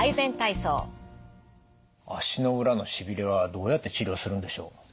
足の裏のしびれはどうやって治療するんでしょう？